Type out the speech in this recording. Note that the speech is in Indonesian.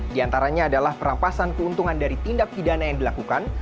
di antaranya adalah perampasan keuntungan dari tindak pidana yang dilakukan